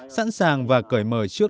sẵn sàng và cởi mở trước